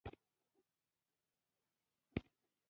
خو نه زموږ په کمېټه کې د ډالرو درک لګېدو.